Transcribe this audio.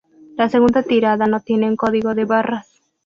La segunda tirada no tiene un código de barras.